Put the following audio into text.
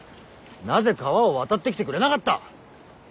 なぜ川を渡ってきてくれなかった！